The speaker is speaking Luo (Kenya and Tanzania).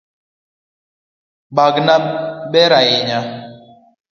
Bagna ber ahinya